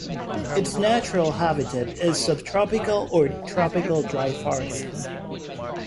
Its natural habitat is subtropical or tropical dry forests.